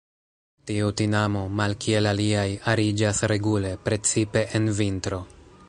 Tiu tinamo, malkiel aliaj, ariĝas regule, precipe en vintro.